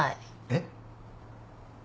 えっ？